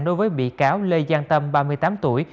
đối với bị cáo lê giang tâm ba mươi tám tuổi